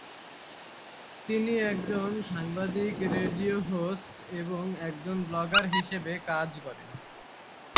তিনি একজন সাংবাদিক, রেডিও হোস্ট এবং একজন ব্লগার হিসাবে কাজ করেন।